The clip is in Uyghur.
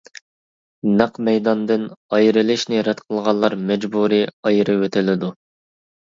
نەق مەيداندىن ئايرىلىشنى رەت قىلغانلار مەجبۇرىي ئايرىۋېتىلىدۇ.